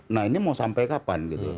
nah ini mau sampai kapan gitu